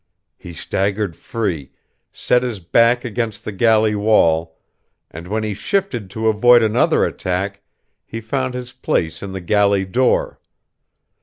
He staggered free, set his back against the galley wall; and when he shifted to avoid another attack, he found his place in the galley door.